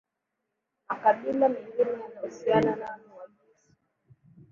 Makabila mengine yanayohusiana nao ni Wagisu